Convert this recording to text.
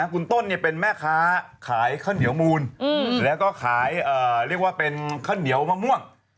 คุณต้นเป็นแม่ค้าขายข้าวเหนียวมูลแล้วก็ขายเรียกว่าเป็นข้าวเหนียวมะม่วง